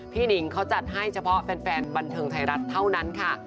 หนิงเขาจัดให้เฉพาะแฟนบันเทิงไทยรัฐเท่านั้นค่ะ